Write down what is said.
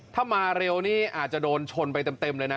ถ้ามาเร็วนี่อาจจะโดนชนไปเต็มเลยนะ